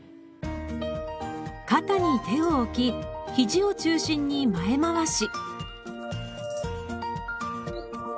肩に手を置きひじを中心に前回し。